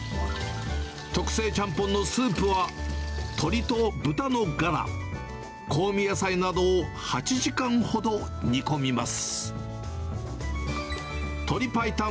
特製ちゃんぽんのスープは、鶏と豚のがら、香味野菜などを８時間ほど煮込みます。